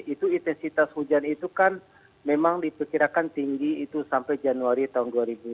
itu intensitas hujan itu kan memang diperkirakan tinggi itu sampai januari tahun dua ribu dua puluh